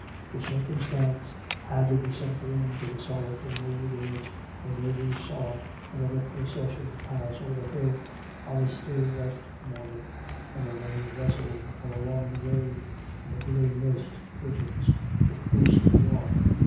The circumstance added some gloom to the sorrowful mood in which her neighbours saw another proces sion pass over the hill on a still wet morning, when the rain rustled all along the road, and the grey mist curtains were closely drawn.